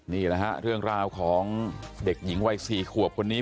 นี่แหละฮะเรื่องราวของเด็กหญิงวัย๔ขวบคนนี้